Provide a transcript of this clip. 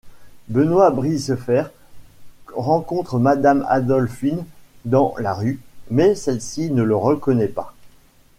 Benoît Brisefer rencontre Madame Adolphine dans la rue, mais celle-ci ne le reconnaît pas.